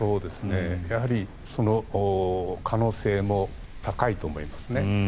やはりその可能性も高いと思いますね。